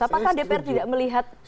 apakah dpr tidak melihat pandangan itu